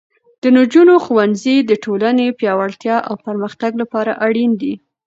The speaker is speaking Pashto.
د نجونو ښوونځی د ټولنې پیاوړتیا او پرمختګ لپاره اړین دی.